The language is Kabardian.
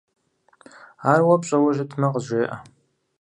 Ар уэ пщӀэуэ щытмэ, къызжеӏэ.